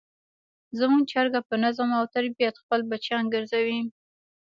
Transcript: زموږ چرګه په نظم او ترتیب خپل بچیان ګرځوي.